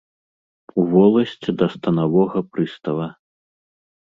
У воласць да станавога прыстава.